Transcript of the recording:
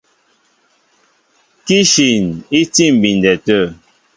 Kíshim í tí á mbindɛ tê.